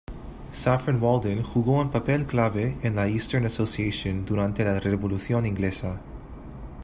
Saffron Walden jugó un papel clave en la Eastern Association durante la Revolución inglesa.